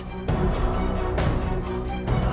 kamu mendapat permintaan